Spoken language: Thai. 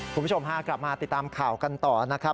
คุณผู้ชมพากลับมาติดตามข่าวกันต่อนะครับ